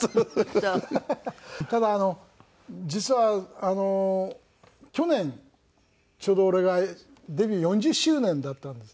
実はあの去年ちょうど俺がデビュー４０周年だったんです。